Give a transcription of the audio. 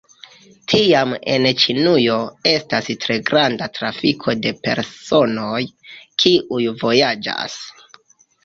Tiam en Ĉinujo estas tre granda trafiko de personoj, kiuj vojaĝas.